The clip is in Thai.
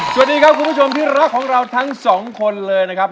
สวัสดีครับคุณผู้ชมที่รักของเราทั้งสองคนเลยนะครับ